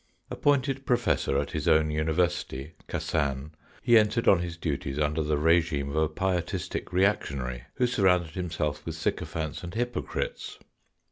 Appointed professor at his own University, Kasan, he entered on his duties under the regime of a pietistic reactionary, who surrounded himself with sycophants and hypocrites.